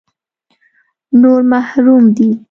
نور محروم دي.